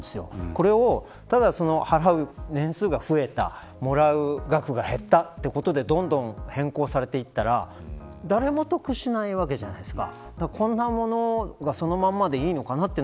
これを、ただ払う年数が増えたもらう額が減ったということでどんどん変更されていったら誰も得しないわけじゃないですか。